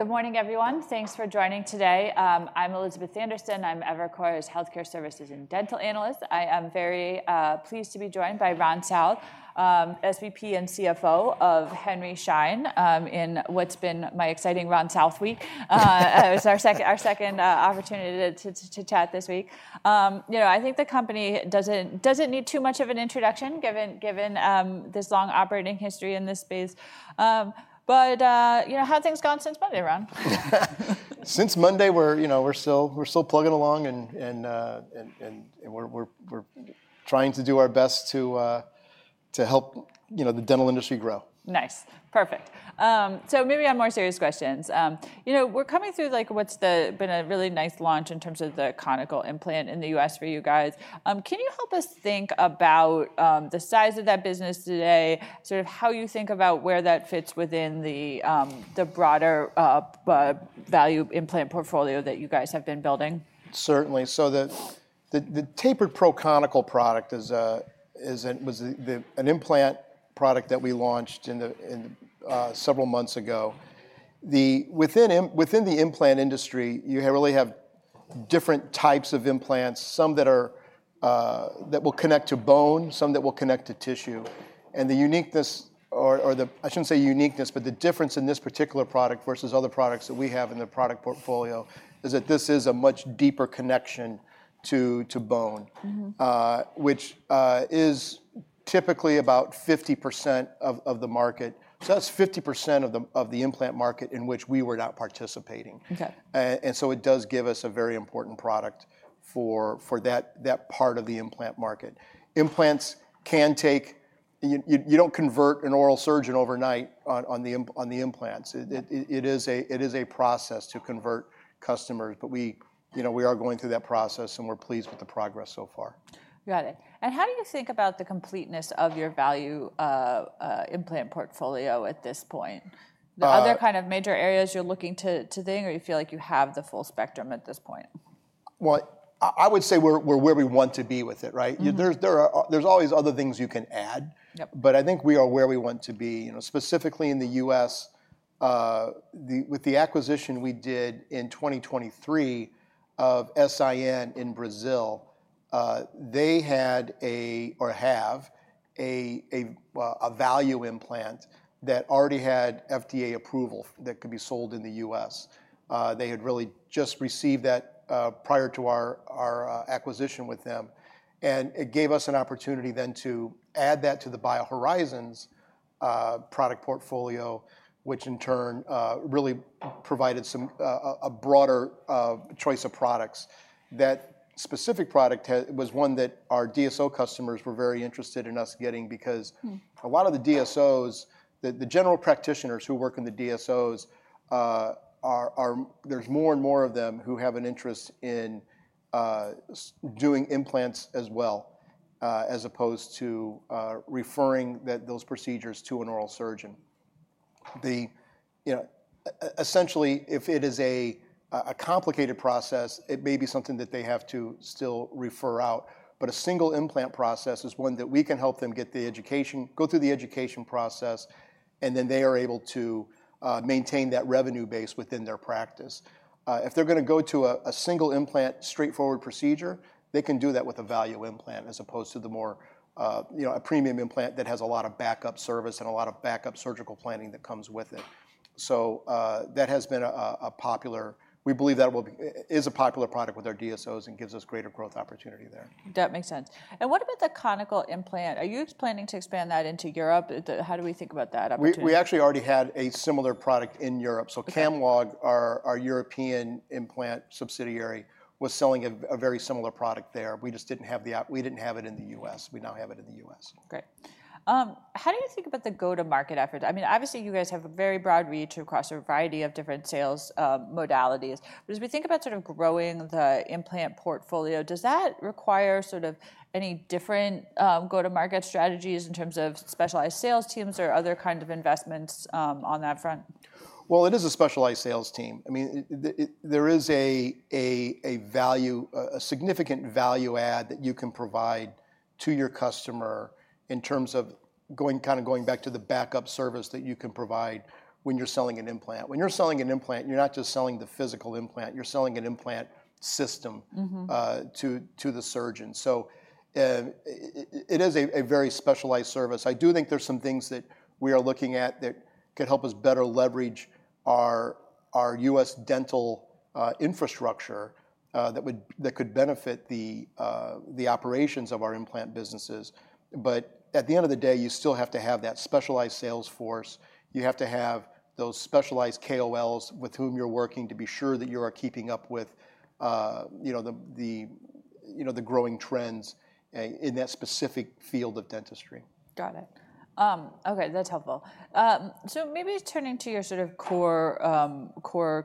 Good morning, everyone. Thanks for joining today. I'm Elizabeth Anderson. I'm Evercore's Healthcare Services and Dental Analyst. I am very pleased to be joined by Ron South, SVP and CFO of Henry Schein, in what's been my exciting Ron South week. It was our second opportunity to chat this week. You know, I think the company doesn't need too much of an introduction, given this long operating history in this space. But how have things gone since Monday, Ron? Since Monday, we're still plugging along, and we're trying to do our best to help the dental industry grow. Nice. Perfect. So maybe on more serious questions, you know, we're coming through what's been a really nice launch in terms of the conical implant in the U.S. for you guys. Can you help us think about the size of that business today, sort of how you think about where that fits within the broader value implant portfolio that you guys have been building? Certainly. So the Tapered Pro conical product was an implant product that we launched several months ago. Within the implant industry, you really have different types of implants, some that will connect to bone, some that will connect to tissue. And the uniqueness, or I shouldn't say uniqueness, but the difference in this particular product versus other products that we have in the product portfolio is that this is a much deeper connection to bone, which is typically about 50% of the market. So that's 50% of the implant market in which we were not participating. And so it does give us a very important product for that part of the implant market. Implants can take. You don't convert an oral surgeon overnight on the implants. It is a process to convert customers, but we are going through that process, and we're pleased with the progress so far. Got it. And how do you think about the completeness of your value implant portfolio at this point? Are there kind of major areas you're looking to think, or you feel like you have the full spectrum at this point? I would say we're where we want to be with it, right? There's always other things you can add. But I think we are where we want to be. Specifically in the U.S., with the acquisition we did in 2023 of S.I.N. in Brazil, they had, or have, a value implant that already had FDA approval that could be sold in the U.S. They had really just received that prior to our acquisition with them. And it gave us an opportunity then to add that to the BioHorizons product portfolio, which in turn really provided a broader choice of products. That specific product was one that our DSO customers were very interested in us getting because a lot of the DSOs, the general practitioners who work in the DSOs, there's more and more of them who have an interest in doing implants as well, as opposed to referring those procedures to an oral surgeon. Essentially, if it is a complicated process, it may be something that they have to still refer out. But a single implant process is one that we can help them go through the education process, and then they are able to maintain that revenue base within their practice. If they're going to go to a single implant, straightforward procedure, they can do that with a value implant, as opposed to a premium implant that has a lot of backup service and a lot of backup surgical planning that comes with it. So that has been, we believe, a popular product with our DSOs and gives us greater growth opportunity there. That makes sense. And what about the conical implant? Are you planning to expand that into Europe? How do we think about that opportunity? We actually already had a similar product in Europe. So Camlog, our European implant subsidiary, was selling a very similar product there. We just didn't have it in the U.S. We now have it in the U.S. Great. How do you think about the go-to-market effort? I mean, obviously, you guys have a very broad reach across a variety of different sales modalities. But as we think about sort of growing the implant portfolio, does that require sort of any different go-to-market strategies in terms of specialized sales teams or other kinds of investments on that front? It is a specialized sales team. I mean, there is a significant value add that you can provide to your customer in terms of kind of going back to the backup service that you can provide when you're selling an implant. When you're selling an implant, you're not just selling the physical implant. You're selling an implant system to the surgeon. So it is a very specialized service. I do think there's some things that we are looking at that could help us better leverage our U.S. dental infrastructure that could benefit the operations of our implant businesses. But at the end of the day, you still have to have that specialized sales force. You have to have those specialized KOLs with whom you're working to be sure that you are keeping up with the growing trends in that specific field of dentistry. Got it. OK, that's helpful. So maybe turning to your sort of core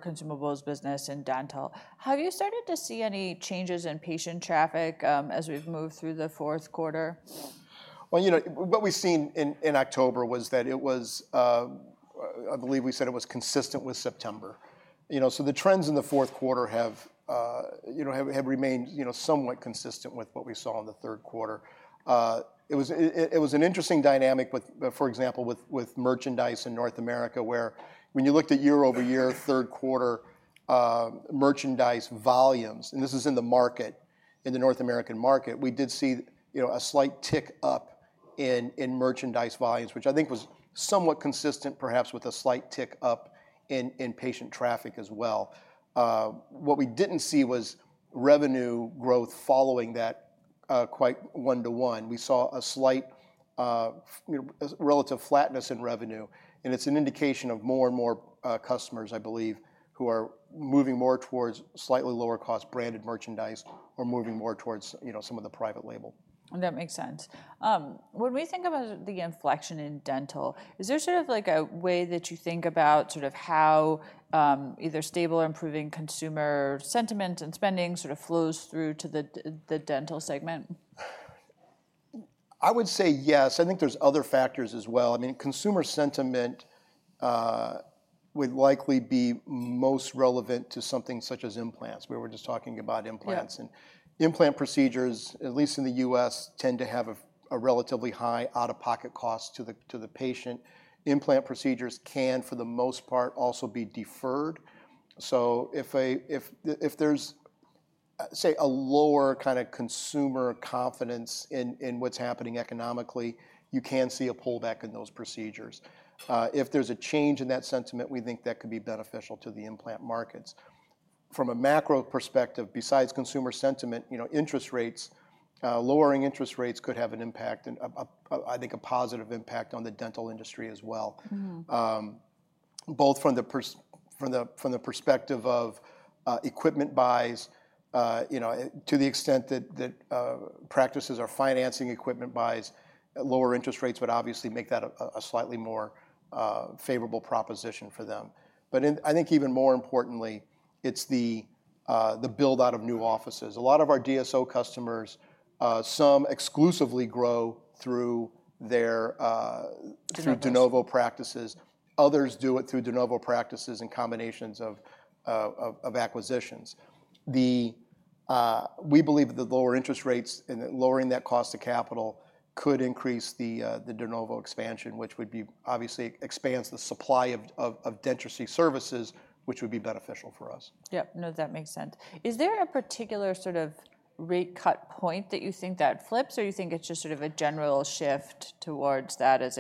consumables business in dental, have you started to see any changes in patient traffic as we've moved through the fourth quarter? Well, you know, what we've seen in October was that it was. I believe we said it was consistent with September. So the trends in the fourth quarter have remained somewhat consistent with what we saw in the third quarter. It was an interesting dynamic, for example, with merchandise in North America, where when you looked at year-over-year third quarter merchandise volumes, and this is in the market, in the North American market, we did see a slight tick up in merchandise volumes, which I think was somewhat consistent, perhaps, with a slight tick up in patient traffic as well. What we didn't see was revenue growth following that quite one-to-one. We saw a slight relative flatness in revenue, and it's an indication of more and more customers, I believe, who are moving more towards slightly lower-cost branded merchandise or moving more towards some of the private label. That makes sense. When we think about the inflection in dental, is there sort of a way that you think about sort of how either stable or improving consumer sentiment and spending sort of flows through to the dental segment? I would say yes. I think there's other factors as well. I mean, consumer sentiment would likely be most relevant to something such as implants, where we're just talking about implants. And implant procedures, at least in the U.S., tend to have a relatively high out-of-pocket cost to the patient. Implant procedures can, for the most part, also be deferred. So if there's, say, a lower kind of consumer confidence in what's happening economically, you can see a pullback in those procedures. If there's a change in that sentiment, we think that could be beneficial to the implant markets. From a macro perspective, besides consumer sentiment, interest rates, lowering interest rates could have an impact, I think a positive impact on the dental industry as well, both from the perspective of equipment buys to the extent that practices are financing equipment buys. Lower interest rates would obviously make that a slightly more favorable proposition for them. But I think even more importantly, it's the build-out of new offices. A lot of our DSO customers, some exclusively grow through de novo practices. Others do it through de novo practices and combinations of acquisitions. We believe that the lower interest rates and lowering that cost of capital could increase the de novo expansion, which would obviously expand the supply of dentistry services, which would be beneficial for us. Yep. No, that makes sense. Is there a particular sort of rate cut point that you think that flips, or you think it's just sort of a general shift towards that as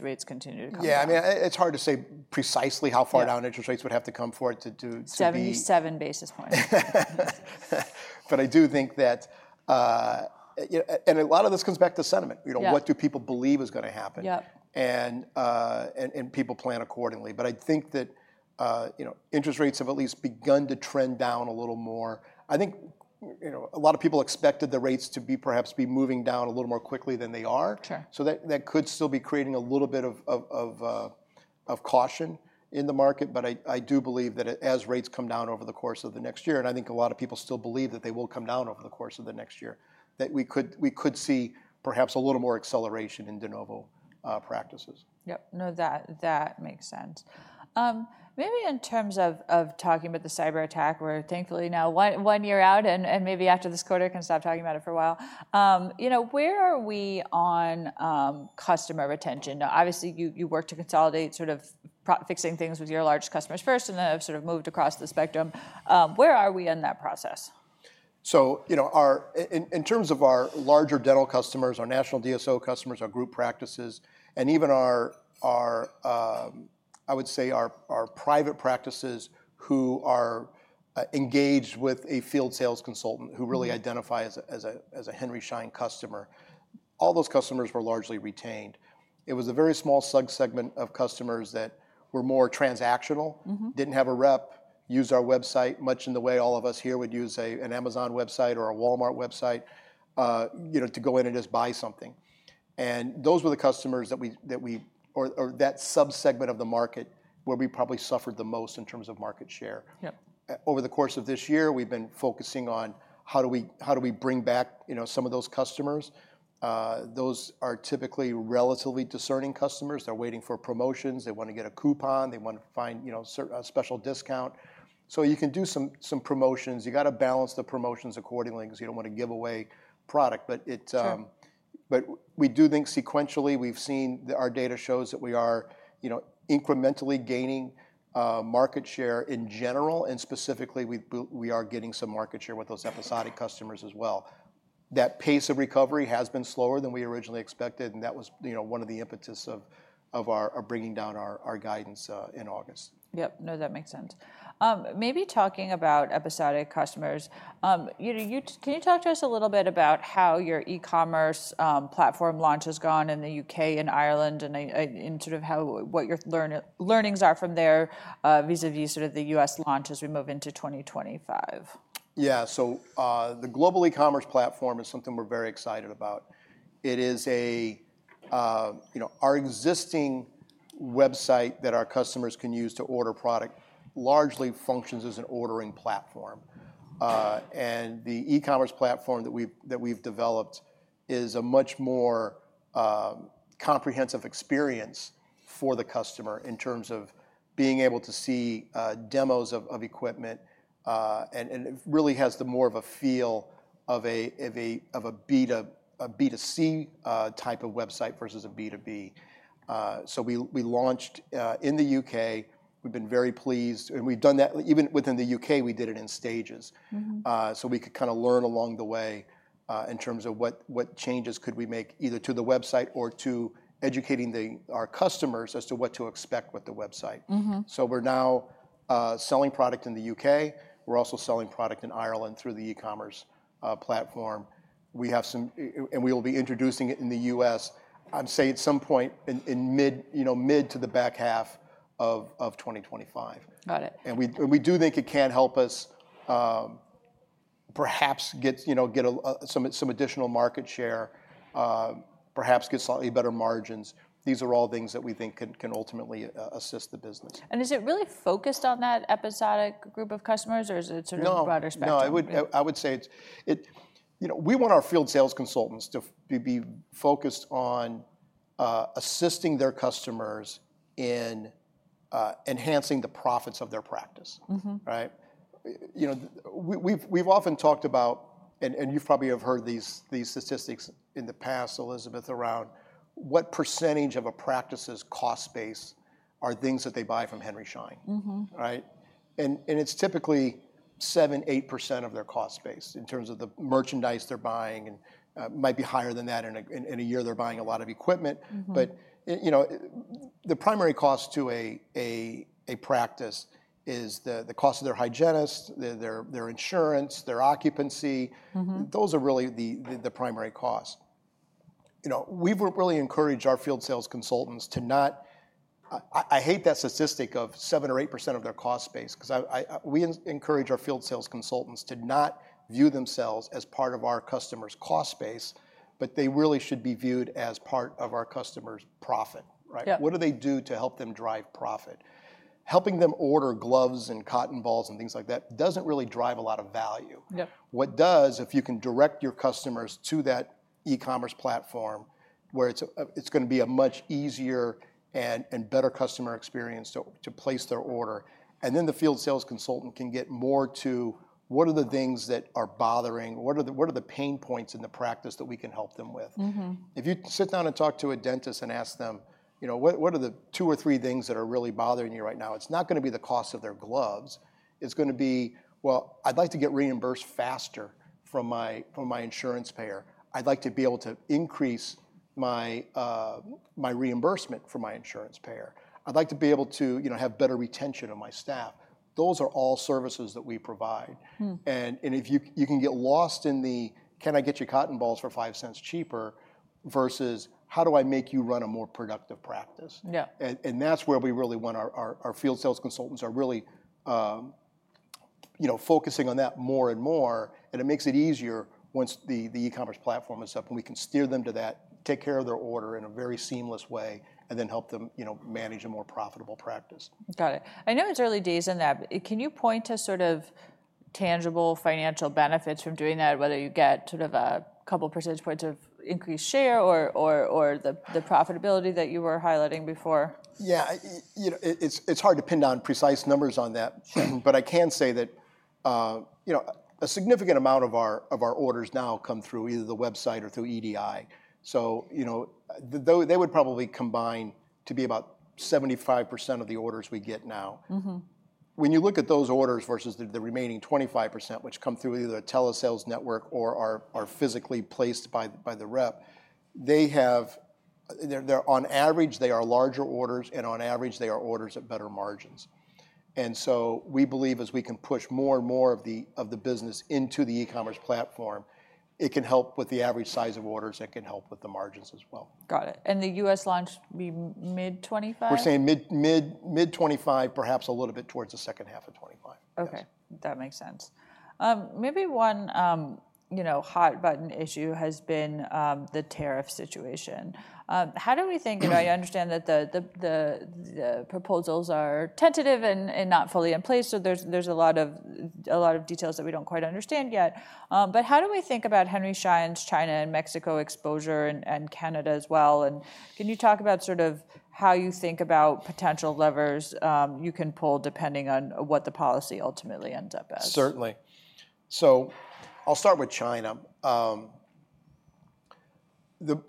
rates continue to come down? Yeah, I mean, it's hard to say precisely how far down interest rates would have to come forward to do. 77 basis points. I do think that, and a lot of this comes back to sentiment. What do people believe is going to happen? People plan accordingly. I think that interest rates have at least begun to trend down a little more. I think a lot of people expected the rates to perhaps be moving down a little more quickly than they are. That could still be creating a little bit of caution in the market. I do believe that as rates come down over the course of the next year, and I think a lot of people still believe that they will come down over the course of the next year, that we could see perhaps a little more acceleration in de novo practices. Yep. No, that makes sense. Maybe in terms of talking about the cyber attack, we're thankfully now one year out, and maybe after this quarter, we can stop talking about it for a while. Where are we on customer retention? Now, obviously, you work to consolidate sort of fixing things with your large customers first, and then have sort of moved across the spectrum. Where are we in that process? So in terms of our larger dental customers, our national DSO customers, our group practices, and even our, I would say, our private practices who are engaged with a field sales consultant who really identify as a Henry Schein customer, all those customers were largely retained. It was a very small subsegment of customers that were more transactional, didn't have a rep, used our website much in the way all of us here would use an Amazon website or a Walmart website to go in and just buy something. And those were the customers that we, or that subsegment of the market, where we probably suffered the most in terms of market share. Over the course of this year, we've been focusing on how do we bring back some of those customers. Those are typically relatively discerning customers. They're waiting for promotions. They want to get a coupon. They want to find a special discount. So you can do some promotions. You've got to balance the promotions accordingly because you don't want to give away product. But we do think sequentially, our data shows that we are incrementally gaining market share in general, and specifically, we are getting some market share with those episodic customers as well. That pace of recovery has been slower than we originally expected, and that was one of the impetus of bringing down our guidance in August. Yep. No, that makes sense. Maybe talking about episodic customers, can you talk to us a little bit about how your e-commerce platform launch has gone in the U.K. and Ireland, and sort of what your learnings are from there vis-à-vis sort of the U.S. launch as we move into 2025? Yeah, so the global e-commerce platform is something we're very excited about. Our existing website that our customers can use to order product largely functions as an ordering platform, and the e-commerce platform that we've developed is a much more comprehensive experience for the customer in terms of being able to see demos of equipment. And it really has more of a feel of a B2C type of website versus a B2B, so we launched in the UK. We've been very pleased, and we've done that, even within the UK, we did it in stages, so we could kind of learn along the way in terms of what changes could we make either to the website or to educating our customers as to what to expect with the website, so we're now selling product in the UK. We're also selling product in Ireland through the e-commerce platform. We will be introducing it in the U.S., I'd say at some point in mid to the back half of 2025. We do think it can help us perhaps get some additional market share, perhaps get slightly better margins. These are all things that we think can ultimately assist the business. Is it really focused on that episodic group of customers, or is it sort of broader spectrum? No. I would say we want our field sales consultants to be focused on assisting their customers in enhancing the profits of their practice. We've often talked about, and you probably have heard these statistics in the past, Elizabeth, around what percentage of a practice's cost base are things that they buy from Henry Schein, and it's typically 7%, 8% of their cost base in terms of the merchandise they're buying. It might be higher than that. In a year, they're buying a lot of equipment, but the primary cost to a practice is the cost of their hygienist, their insurance, their occupancy. Those are really the primary costs. We've really encouraged our field sales consultants to not. I hate that statistic of 7% or 8% of their cost base, because we encourage our field sales consultants to not view themselves as part of our customer's cost base, but they really should be viewed as part of our customer's profit. What do they do to help them drive profit? Helping them order gloves and cotton balls and things like that doesn't really drive a lot of value. What does if you can direct your customers to that e-commerce platform, where it's going to be a much easier and better customer experience to place their order, and then the field sales consultant can get more to what are the things that are bothering? What are the pain points in the practice that we can help them with? If you sit down and talk to a dentist and ask them what are the two or three things that are really bothering you right now? It's not going to be the cost of their gloves. It's going to be, well, I'd like to get reimbursed faster from my insurance payer. I'd like to be able to increase my reimbursement from my insurance payer. I'd like to be able to have better retention of my staff. Those are all services that we provide. And if you can get lost in the, can I get your cotton balls for $0.05 cheaper versus how do I make you run a more productive practice? And that's where we really want our field sales consultants are really focusing on that more and more. It makes it easier once the e-commerce platform is up, and we can steer them to that, take care of their order in a very seamless way, and then help them manage a more profitable practice. Got it. I know it's early days in that. Can you point to sort of tangible financial benefits from doing that, whether you get sort of a couple percentage points of increased share or the profitability that you were highlighting before? Yeah. It's hard to pin down precise numbers on that. But I can say that a significant amount of our orders now come through either the website or through EDI. So they would probably combine to be about 75% of the orders we get now. When you look at those orders versus the remaining 25%, which come through either a telesales network or are physically placed by the rep, they have, on average, they are larger orders, and on average, they are orders at better margins. And so we believe as we can push more and more of the business into the e-commerce platform, it can help with the average size of orders and can help with the margins as well. Got it. And the U.S. launched mid-2025? We're saying mid-2025, perhaps a little bit towards the second half of 2025. OK. That makes sense. Maybe one hot-button issue has been the tariff situation. How do we think, and I understand that the proposals are tentative and not fully in place, so there's a lot of details that we don't quite understand yet. But how do we think about Henry Schein's China and Mexico exposure and Canada as well? And can you talk about sort of how you think about potential levers you can pull depending on what the policy ultimately ends up as? Certainly. So I'll start with China. The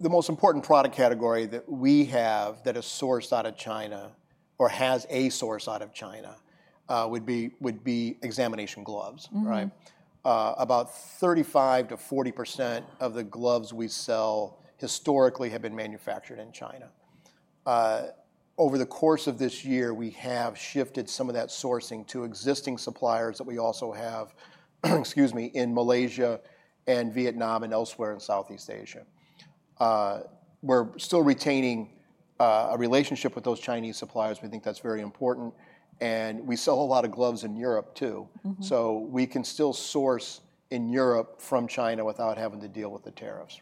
most important product category that we have that is sourced out of China or has a source out of China would be examination gloves. About 35%-40% of the gloves we sell historically have been manufactured in China. Over the course of this year, we have shifted some of that sourcing to existing suppliers that we also have in Malaysia and Vietnam and elsewhere in Southeast Asia. We're still retaining a relationship with those Chinese suppliers. We think that's very important. And we sell a lot of gloves in Europe too. So we can still source in Europe from China without having to deal with the tariffs.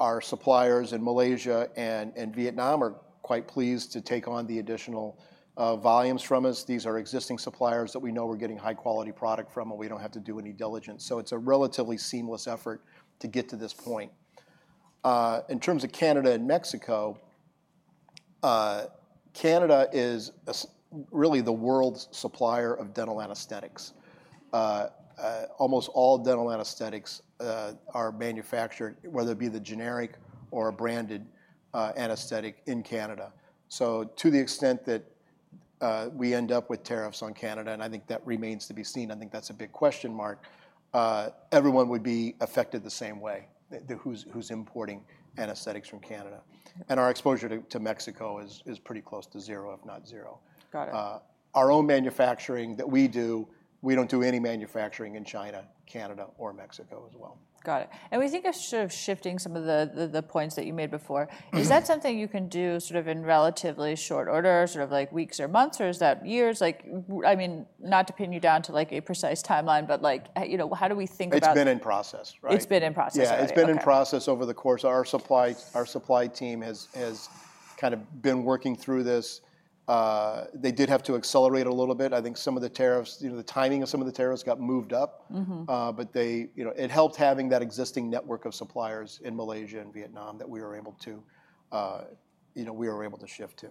Our suppliers in Malaysia and Vietnam are quite pleased to take on the additional volumes from us. These are existing suppliers that we know we're getting high-quality product from, and we don't have to do any diligence, so it's a relatively seamless effort to get to this point. In terms of Canada and Mexico, Canada is really the world's supplier of dental anesthetics. Almost all dental anesthetics are manufactured, whether it be the generic or branded anesthetic, in Canada, so to the extent that we end up with tariffs on Canada, and I think that remains to be seen, I think that's a big question mark. Everyone would be affected the same way, who's importing anesthetics from Canada, and our exposure to Mexico is pretty close to zero, if not zero. Our own manufacturing that we do, we don't do any manufacturing in China, Canada, or Mexico as well. Got it. And we think of sort of shifting some of the points that you made before. Is that something you can do sort of in relatively short order, sort of like weeks or months, or is that years? I mean, not to pin you down to like a precise timeline, but how do we think about? It's been in process. It's been in process. Yeah. It's been in process over the course. Our supply team has kind of been working through this. They did have to accelerate a little bit. I think some of the tariffs, the timing of some of the tariffs got moved up. But it helped having that existing network of suppliers in Malaysia and Vietnam that we were able to, we were able to shift to.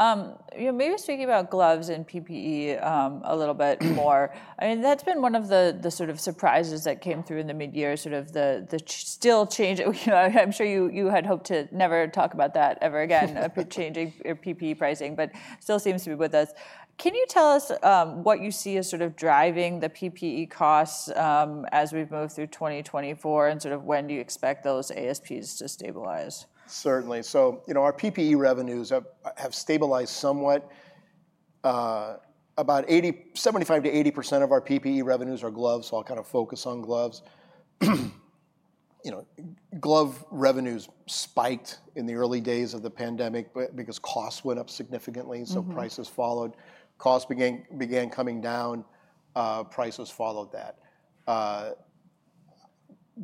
Got it. Maybe speaking about gloves and PPE a little bit more. I mean, that's been one of the sort of surprises that came through in the mid-year, sort of the still change. I'm sure you had hoped to never talk about that ever again, changing PPE pricing, but still seems to be with us. Can you tell us what you see as sort of driving the PPE costs as we move through 2024, and sort of when do you expect those ASPs to stabilize? Certainly. So our PPE revenues have stabilized somewhat. About 75%-80% of our PPE revenues are gloves, so I'll kind of focus on gloves. Glove revenues spiked in the early days of the pandemic because costs went up significantly, so prices followed. Costs began coming down. Prices followed that.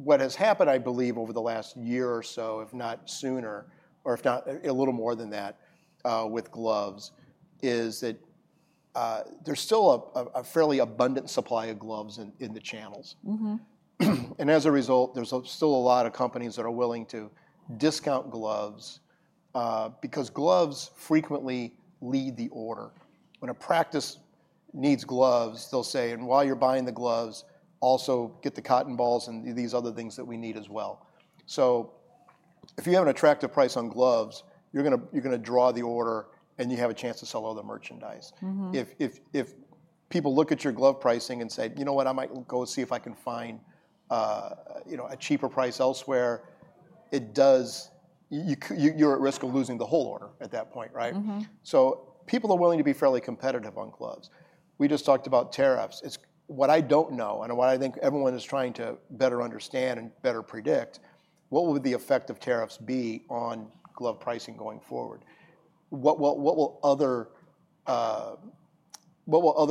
What has happened, I believe, over the last year or so, if not sooner, or if not a little more than that with gloves, is that there's still a fairly abundant supply of gloves in the channels. And as a result, there's still a lot of companies that are willing to discount gloves because gloves frequently lead the order. When a practice needs gloves, they'll say, and while you're buying the gloves, also get the cotton balls and these other things that we need as well. So if you have an attractive price on gloves, you're going to draw the order, and you have a chance to sell other merchandise. If people look at your glove pricing and say, you know what, I might go see if I can find a cheaper price elsewhere, you're at risk of losing the whole order at that point. So people are willing to be fairly competitive on gloves. We just talked about tariffs. What I don't know, and what I think everyone is trying to better understand and better predict, what would the effect of tariffs be on glove pricing going forward? What will other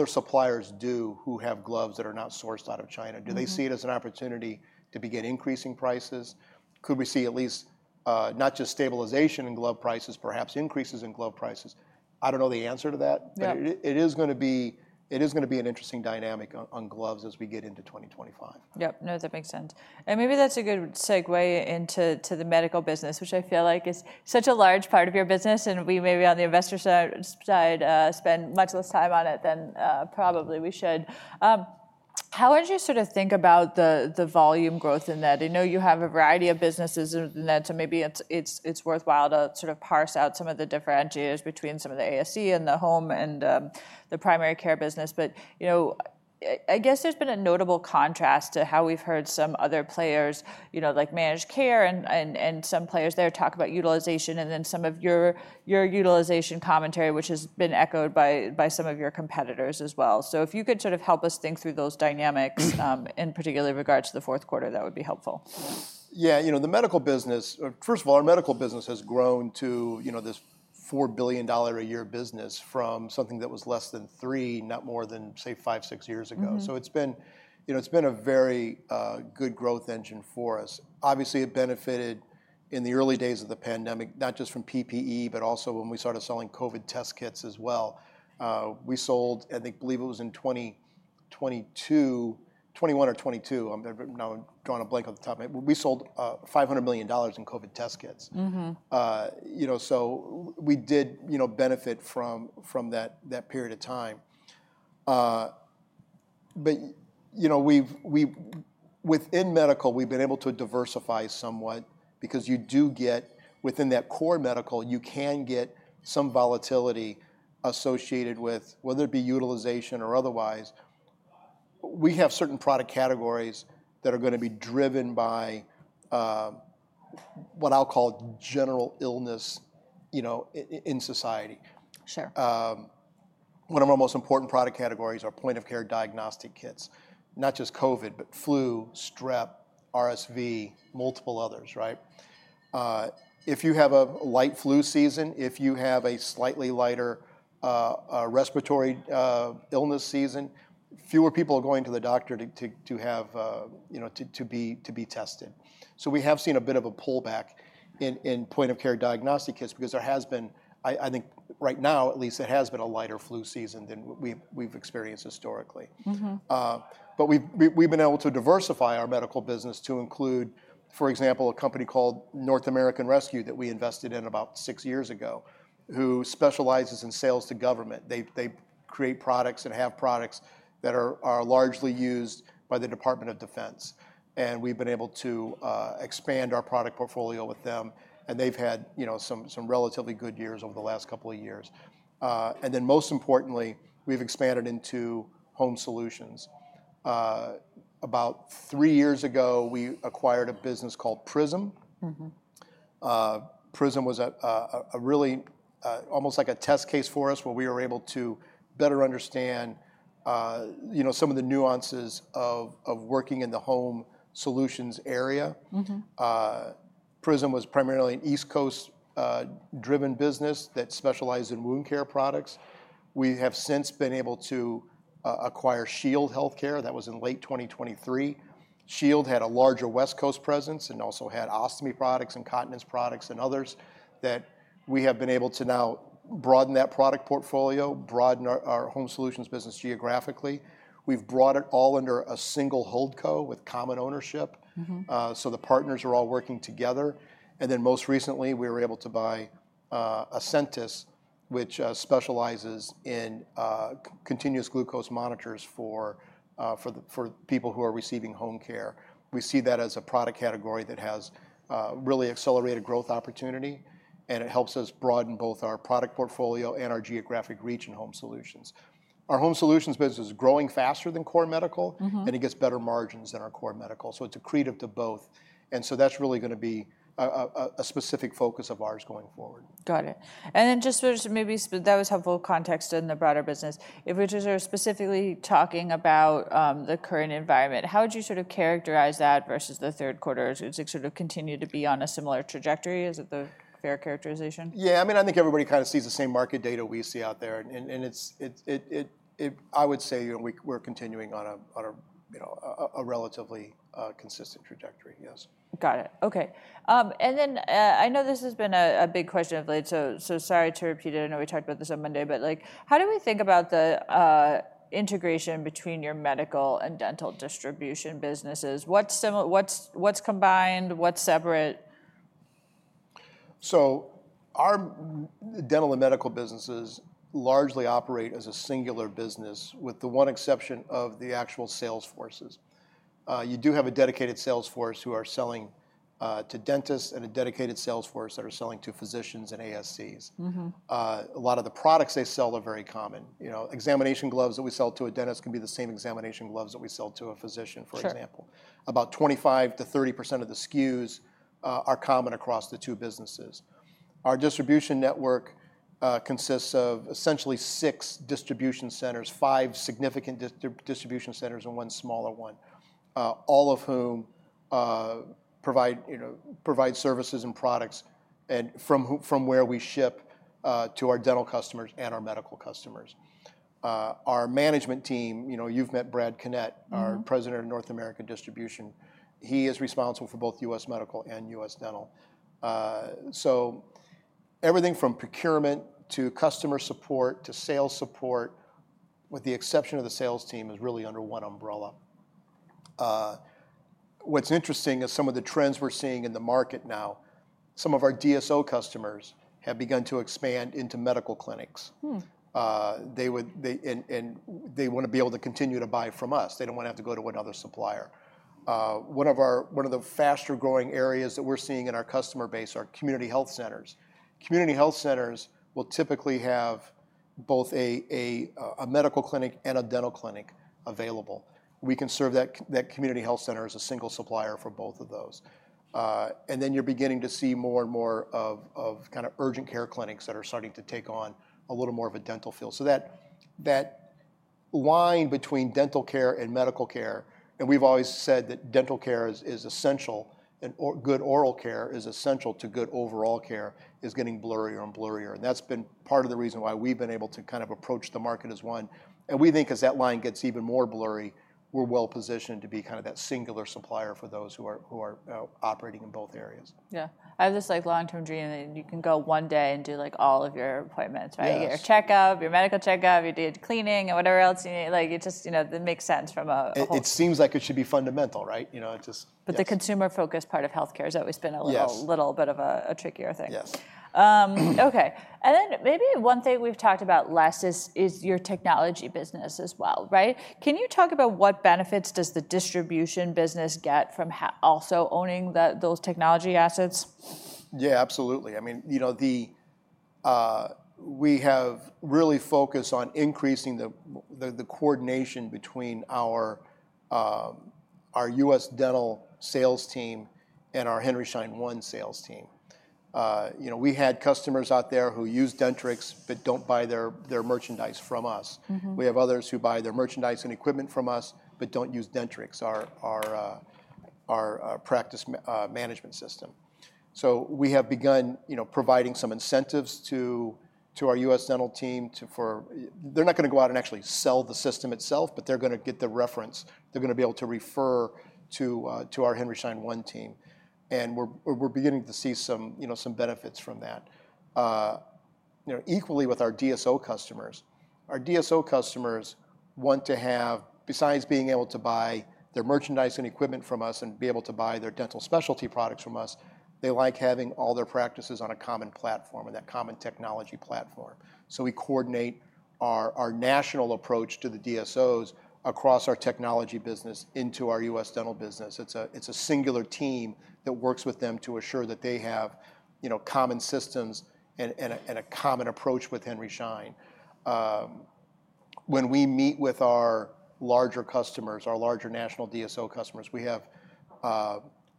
suppliers do who have gloves that are not sourced out of China? Do they see it as an opportunity to begin increasing prices? Could we see at least not just stabilization in glove prices, perhaps increases in glove prices? I don't know the answer to that, but it is going to be an interesting dynamic on gloves as we get into 2025. Yep. No, that makes sense. And maybe that's a good segue into the medical business, which I feel like is such a large part of your business, and we maybe on the investor side spend much less time on it than probably we should. How would you sort of think about the volume growth in that? I know you have a variety of businesses in that, so maybe it's worthwhile to sort of parse out some of the differentiators between some of the ASC and the home and the primary care business. But I guess there's been a notable contrast to how we've heard some other players, like managed care and some players there talk about utilization, and then some of your utilization commentary, which has been echoed by some of your competitors as well. If you could sort of help us think through those dynamics in particular regards to the fourth quarter, that would be helpful. Yeah. The medical business, first of all, our medical business has grown to this $4 billion a year business from something that was less than three, not more than, say, five, six years ago. So it's been a very good growth engine for us. Obviously, it benefited in the early days of the pandemic, not just from PPE, but also when we started selling COVID test kits as well. We sold, I believe it was in 2021 or 2022, I'm now drawing a blank off the top of my head, we sold $500 million in COVID test kits. So we did benefit from that period of time. But within medical, we've been able to diversify somewhat because you do get, within that core medical, you can get some volatility associated with, whether it be utilization or otherwise. We have certain product categories that are going to be driven by what I'll call general illness in society. One of our most important product categories are point-of-care diagnostic kits, not just COVID, but flu, strep, RSV, multiple others. If you have a light flu season, if you have a slightly lighter respiratory illness season, fewer people are going to the doctor to be tested. So we have seen a bit of a pullback in point-of-care diagnostic kits because there has been, I think right now at least, it has been a lighter flu season than we've experienced historically. But we've been able to diversify our medical business to include, for example, a company called North American Rescue that we invested in about six years ago, who specializes in sales to government. They create products and have products that are largely used by the Department of Defense. We've been able to expand our product portfolio with them, and they've had some relatively good years over the last couple of years. And then most importantly, we've expanded into home solutions. About three years ago, we acquired a business called Prism. Prism was a really almost like a test case for us where we were able to better understand some of the nuances of working in the home solutions area. Prism was primarily an East Coast-driven business that specialized in wound care products. We have since been able to acquire Shield HealthCare. That was in late 2023. Shield had a larger West Coast presence and also had ostomy products and continence products and others that we have been able to now broaden that product portfolio, broaden our home solutions business geographically. We've brought it all under a single holdco with common ownership. The partners are all working together. And then most recently, we were able to buy Acentus, which specializes in continuous glucose monitors for people who are receiving home care. We see that as a product category that has really accelerated growth opportunity, and it helps us broaden both our product portfolio and our geographic reach in home solutions. Our home solutions business is growing faster than core medical, and it gets better margins than our core medical. So it's accretive to both. And so that's really going to be a specific focus of ours going forward. Got it. And then just maybe that was helpful context in the broader business. If we just are specifically talking about the current environment, how would you sort of characterize that versus the third quarter? Does it sort of continue to be on a similar trajectory? Is it the fair characterization? Yeah. I mean, I think everybody kind of sees the same market data we see out there, and I would say we're continuing on a relatively consistent trajectory. Yes. Got it. OK. And then I know this has been a big question of late, so sorry to repeat it. I know we talked about this on Monday. But how do we think about the integration between your medical and dental distribution businesses? What's combined? What's separate? Our dental and medical businesses largely operate as a singular business with the one exception of the actual sales forces. You do have a dedicated sales force who are selling to dentists and a dedicated sales force that are selling to physicians and ASCs. A lot of the products they sell are very common. Examination gloves that we sell to a dentist can be the same examination gloves that we sell to a physician, for example. About 25%-30% of the SKUs are common across the two businesses. Our distribution network consists of essentially six distribution centers, five significant distribution centers, and one smaller one, all of whom provide services and products from where we ship to our dental customers and our medical customers. Our management team, you've met Brad Connett, our President of North American Distribution. He is responsible for both U.S. medical and U.S. dental. So everything from procurement to customer support to sales support, with the exception of the sales team, is really under one umbrella. What's interesting is some of the trends we're seeing in the market now, some of our DSO customers have begun to expand into medical clinics. And they want to be able to continue to buy from us. They don't want to have to go to another supplier. One of the faster growing areas that we're seeing in our customer base are community health centers. Community health centers will typically have both a medical clinic and a dental clinic available. We can serve that community health center as a single supplier for both of those. And then you're beginning to see more and more of kind of urgent care clinics that are starting to take on a little more of a dental field. So that line between dental care and medical care, and we've always said that dental care is essential, and good oral care is essential to good overall care, is getting blurrier and blurrier. And that's been part of the reason why we've been able to kind of approach the market as one. And we think as that line gets even more blurry, we're well positioned to be kind of that singular supplier for those who are operating in both areas. Yeah. I have this long-term dream that you can go one day and do all of your appointments, right? Your checkup, your medical checkup, you did cleaning, and whatever else you need. It just makes sense from a whole. It seems like it should be fundamental, right? But the consumer-focused part of health care has always been a little bit of a trickier thing. Yes. OK, and then maybe one thing we've talked about less is your technology business as well. Can you talk about what benefits does the distribution business get from also owning those technology assets? Yeah, absolutely. I mean, we have really focused on increasing the coordination between our U.S. dental sales team and our Henry Schein One sales team. We had customers out there who use Dentrix but don't buy their merchandise from us. We have others who buy their merchandise and equipment from us but don't use Dentrix, our practice management system, so we have begun providing some incentives to our U.S. dental team, for they're not going to go out and actually sell the system itself, but they're going to get the reference. They're going to be able to refer to our Henry Schein One team, and we're beginning to see some benefits from that. Equally with our DSO customers, our DSO customers want to have, besides being able to buy their merchandise and equipment from us and be able to buy their dental specialty products from us, they like having all their practices on a common platform and that common technology platform. So we coordinate our national approach to the DSOs across our technology business into our U.S. dental business. It's a singular team that works with them to assure that they have common systems and a common approach with Henry Schein. When we meet with our larger customers, our larger national DSO customers, we have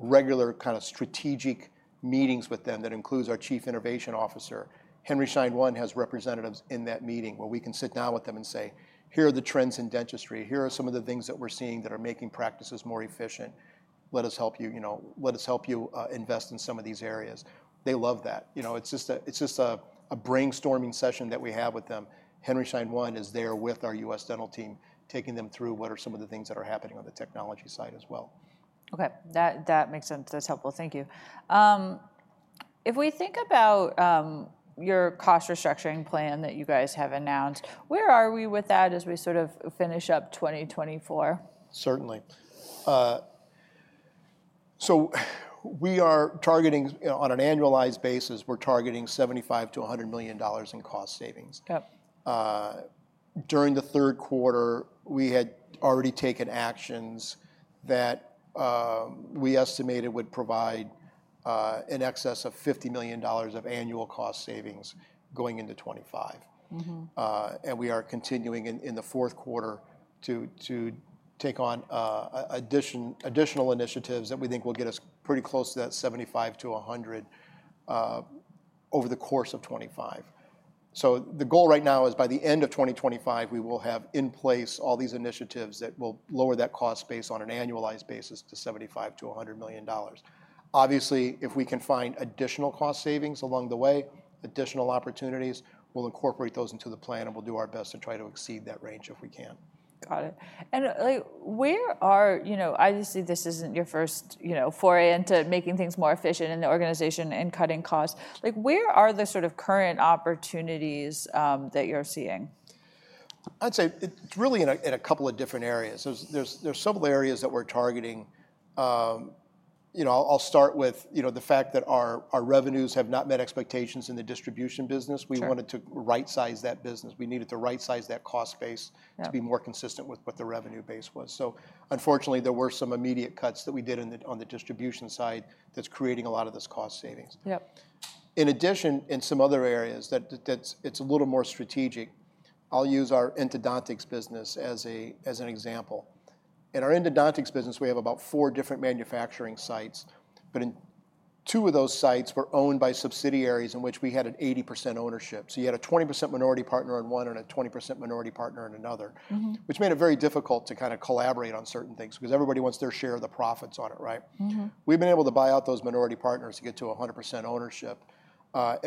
regular kind of strategic meetings with them that includes our Chief Innovation Officer. Henry Schein One has representatives in that meeting where we can sit down with them and say, here are the trends in dentistry. Here are some of the things that we're seeing that are making practices more efficient. Let us help you invest in some of these areas. They love that. It's just a brainstorming session that we have with them. Henry Schein One is there with our U.S. dental team, taking them through what are some of the things that are happening on the technology side as well. OK. That makes sense. That's helpful. Thank you. If we think about your cost restructuring plan that you guys have announced, where are we with that as we sort of finish up 2024? Certainly, so we are targeting, on an annualized basis, we're targeting $75-$100 million in cost savings. During the third quarter, we had already taken actions that we estimated would provide in excess of $50 million of annual cost savings going into 2025, and we are continuing in the fourth quarter to take on additional initiatives that we think will get us pretty close to that $75-$100 over the course of 2025, so the goal right now is by the end of 2025, we will have in place all these initiatives that will lower that cost base on an annualized basis to $75-$100 million. Obviously, if we can find additional cost savings along the way, additional opportunities, we'll incorporate those into the plan, and we'll do our best to try to exceed that range if we can. Got it. Obviously, this isn't your first foray into making things more efficient in the organization and cutting costs. Where are the sort of current opportunities that you're seeing? I'd say it's really in a couple of different areas. There's several areas that we're targeting. I'll start with the fact that our revenues have not met expectations in the distribution business. We wanted to right-size that business. We needed to right-size that cost base to be more consistent with what the revenue base was. So unfortunately, there were some immediate cuts that we did on the distribution side that's creating a lot of this cost savings. In addition, in some other areas, it's a little more strategic. I'll use our endodontics business as an example. In our endodontics business, we have about four different manufacturing sites. But in two of those sites, we're owned by subsidiaries in which we had an 80% ownership. So you had a 20% minority partner in one and a 20% minority partner in another, which made it very difficult to kind of collaborate on certain things because everybody wants their share of the profits on it. We've been able to buy out those minority partners to get to 100% ownership,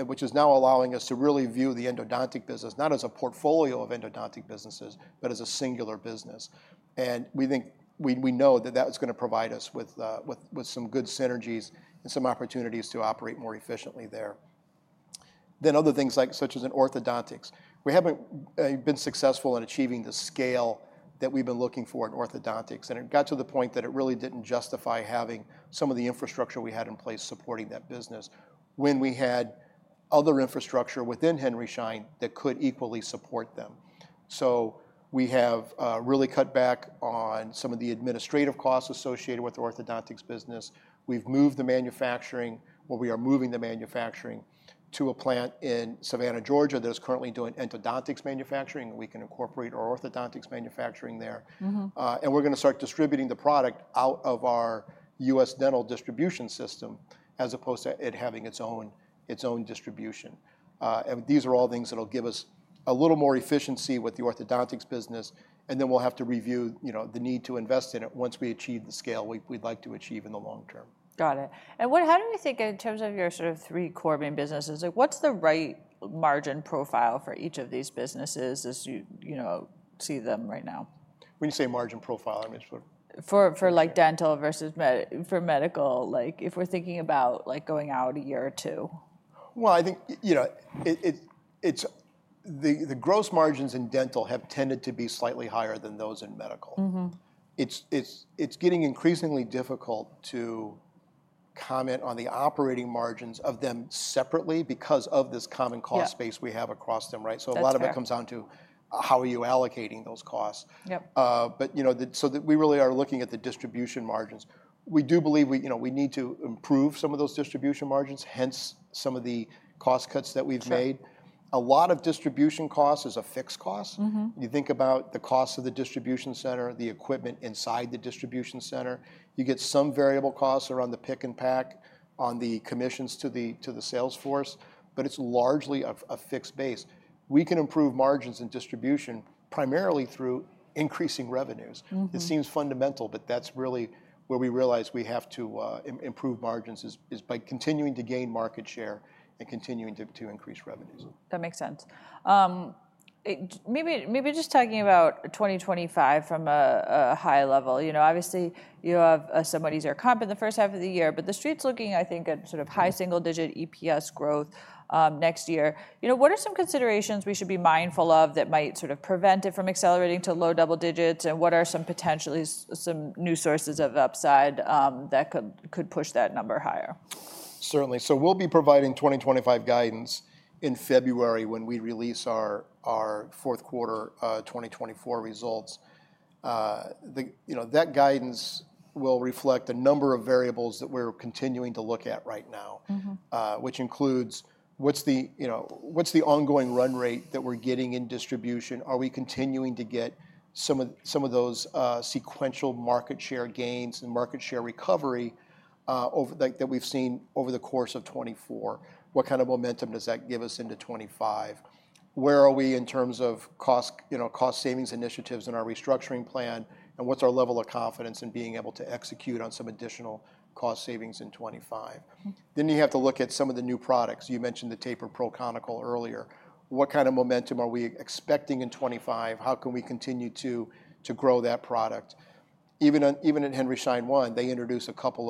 which is now allowing us to really view the endodontic business not as a portfolio of endodontic businesses, but as a singular business. And we know that that's going to provide us with some good synergies and some opportunities to operate more efficiently there. Then other things such as in orthodontics. We haven't been successful in achieving the scale that we've been looking for in orthodontics. It got to the point that it really didn't justify having some of the infrastructure we had in place supporting that business when we had other infrastructure within Henry Schein that could equally support them. We have really cut back on some of the administrative costs associated with the orthodontics business. We've moved the manufacturing, where we are moving the manufacturing, to a plant in Savannah, Georgia that is currently doing endodontics manufacturing. We can incorporate our orthodontics manufacturing there. We're going to start distributing the product out of our U.S. dental distribution system as opposed to it having its own distribution. These are all things that will give us a little more efficiency with the orthodontics business. Then we'll have to review the need to invest in it once we achieve the scale we'd like to achieve in the long term. Got it. And how do we think in terms of your sort of three core main businesses, what's the right margin profile for each of these businesses as you see them right now? When you say margin profile, I mean. For dental versus for medical, if we're thinking about going out a year or two? I think the gross margins in dental have tended to be slightly higher than those in medical. It's getting increasingly difficult to comment on the operating margins of them separately because of this common cost space we have across them. So a lot of it comes down to how are you allocating those costs. So we really are looking at the distribution margins. We do believe we need to improve some of those distribution margins, hence some of the cost cuts that we've made. A lot of distribution cost is a fixed cost. You think about the cost of the distribution center, the equipment inside the distribution center. You get some variable costs around the pick and pack, on the commissions to the sales force. But it's largely a fixed base. We can improve margins in distribution primarily through increasing revenues. It seems fundamental, but that's really where we realize we have to improve margins is by continuing to gain market share and continuing to increase revenues. That makes sense. Maybe just talking about 2025 from a high level. Obviously, you have somewhat easier comp in the first half of the year. But the street's looking, I think, at sort of high single-digit EPS growth next year. What are some considerations we should be mindful of that might sort of prevent it from accelerating to low double digits? And what are potentially some new sources of upside that could push that number higher? Certainly. So we'll be providing 2025 guidance in February when we release our fourth quarter 2024 results. That guidance will reflect a number of variables that we're continuing to look at right now, which includes what's the ongoing run rate that we're getting in distribution? Are we continuing to get some of those sequential market share gains and market share recovery that we've seen over the course of 2024? What kind of momentum does that give us into 2025? Where are we in terms of cost savings initiatives in our restructuring plan? And what's our level of confidence in being able to execute on some additional cost savings in 2025? Then you have to look at some of the new products. You mentioned the Tapered Pro conical earlier. What kind of momentum are we expecting in 2025? How can we continue to grow that product? Even at Henry Schein One, they introduced a couple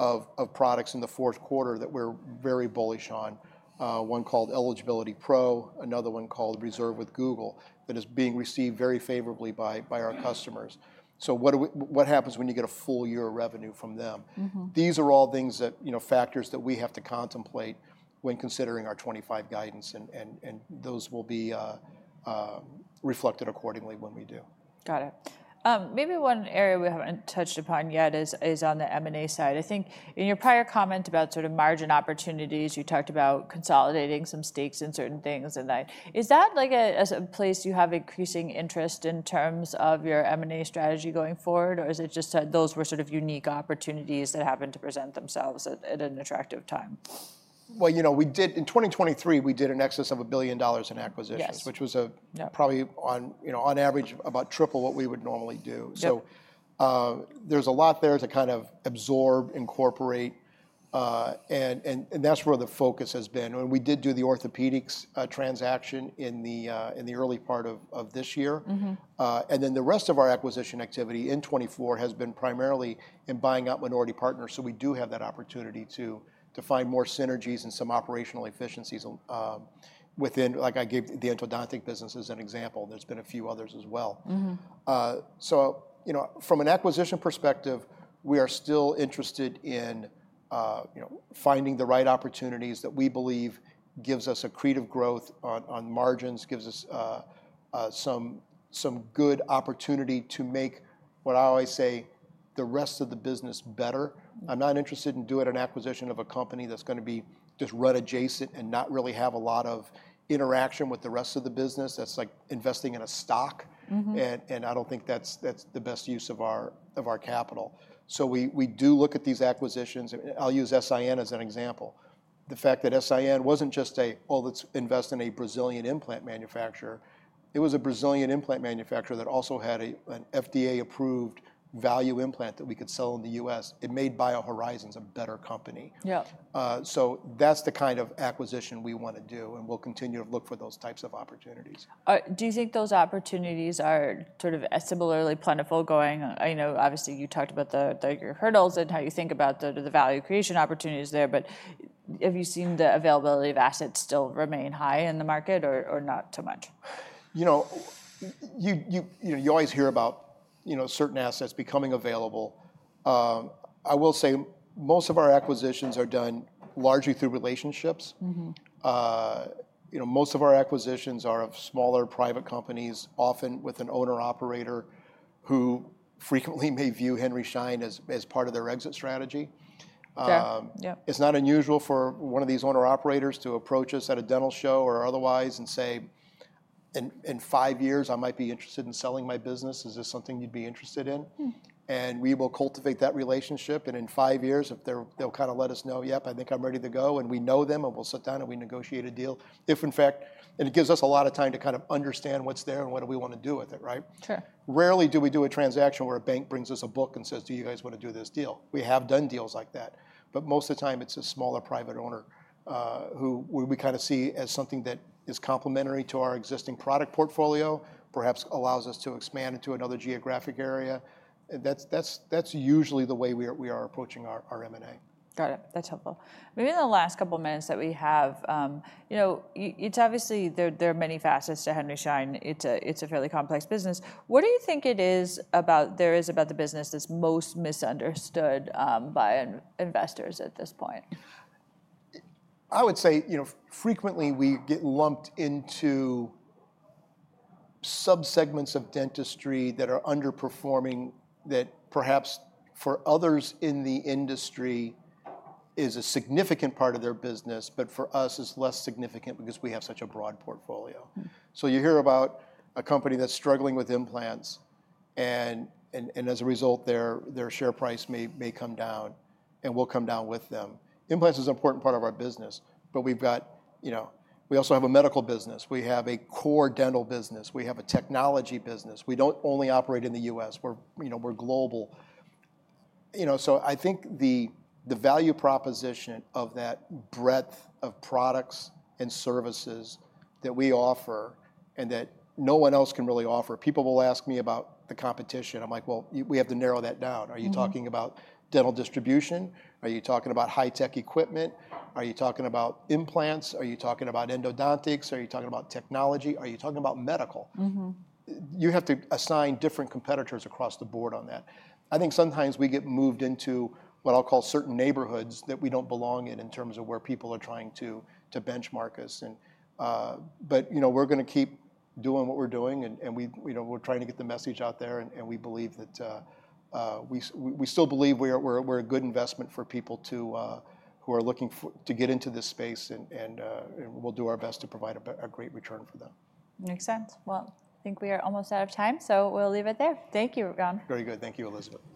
of products in the fourth quarter that were very bullish on, one called Eligibility Pro, another one called Reserve with Google that is being received very favorably by our customers. So what happens when you get a full year of revenue from them? These are all things, factors, that we have to contemplate when considering our 2025 guidance. Those will be reflected accordingly when we do. Got it. Maybe one area we haven't touched upon yet is on the M&A side. I think in your prior comment about sort of margin opportunities, you talked about consolidating some stakes in certain things. Is that like a place you have increasing interest in terms of your M&A strategy going forward? Or is it just that those were sort of unique opportunities that happened to present themselves at an attractive time? In 2023, we did an excess of $1 billion in acquisitions, which was probably on average about triple what we would normally do. So there's a lot there to kind of absorb, incorporate. And that's where the focus has been. And we did do the orthopedics transaction in the early part of this year. And then the rest of our acquisition activity in 2024 has been primarily in buying out minority partners. So we do have that opportunity to find more synergies and some operational efficiencies within, like I gave the endodontic business as an example. There's been a few others as well. So from an acquisition perspective, we are still interested in finding the right opportunities that we believe gives us accretive growth on margins, gives us some good opportunity to make what I always say, the rest of the business better. I'm not interested in doing an acquisition of a company that's going to be just run adjacent and not really have a lot of interaction with the rest of the business. That's like investing in a stock. And I don't think that's the best use of our capital. So we do look at these acquisitions. I'll use S.I.N. as an example. The fact that S.I.N. wasn't just a, oh, let's invest in a Brazilian implant manufacturer. It was a Brazilian implant manufacturer that also had an FDA-approved value implant that we could sell in the U.S. It made BioHorizons a better company. So that's the kind of acquisition we want to do. And we'll continue to look for those types of opportunities. Do you think those opportunities are sort of similarly plentiful going? Obviously, you talked about your hurdles and how you think about the value creation opportunities there. But have you seen the availability of assets still remain high in the market or not too much? You always hear about certain assets becoming available. I will say most of our acquisitions are done largely through relationships. Most of our acquisitions are of smaller private companies, often with an owner-operator who frequently may view Henry Schein as part of their exit strategy. It's not unusual for one of these owner-operators to approach us at a dental show or otherwise and say, "in five years, I might be interested in selling my business. Is this something you'd be interested in," and we will cultivate that relationship, and in five years, they'll kind of let us know, yep, I think I'm ready to go, and we know them, and we'll sit down and we negotiate a deal, and it gives us a lot of time to kind of understand what's there and what do we want to do with it. Rarely do we do a transaction where a bank brings us a book and says, do you guys want to do this deal? We have done deals like that. But most of the time, it's a smaller private owner who we kind of see as something that is complementary to our existing product portfolio, perhaps allows us to expand into another geographic area. That's usually the way we are approaching our M&A. Got it. That's helpful. Maybe in the last couple of minutes that we have, it's obviously there are many facets to Henry Schein. It's a fairly complex business. What do you think it is about the business that's most misunderstood by investors at this point? I would say frequently we get lumped into subsegments of dentistry that are underperforming that perhaps for others in the industry is a significant part of their business, but for us is less significant because we have such a broad portfolio. So you hear about a company that's struggling with implants. And as a result, their share price may come down and will come down with them. Implants is an important part of our business. But we also have a medical business. We have a core dental business. We have a technology business. We don't only operate in the U.S. We're global. So I think the value proposition of that breadth of products and services that we offer and that no one else can really offer. People will ask me about the competition. I'm like, well, we have to narrow that down. Are you talking about dental distribution? Are you talking about high-tech equipment? Are you talking about implants? Are you talking about endodontics? Are you talking about technology? Are you talking about medical? You have to assign different competitors across the board on that. I think sometimes we get moved into what I'll call certain neighborhoods that we don't belong in terms of where people are trying to benchmark us, but we're going to keep doing what we're doing, and we're trying to get the message out there, and we believe that we still believe we're a good investment for people who are looking to get into this space, and we'll do our best to provide a great return for them. Makes sense. Well, I think we are almost out of time. So we'll leave it there. Thank you, Ron. Very good. Thank you, Elizabeth.